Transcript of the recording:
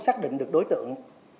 xác định được đối tượng